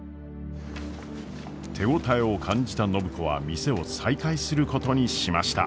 手応えを感じた暢子は店を再開することにしました。